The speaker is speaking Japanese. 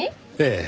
ええ。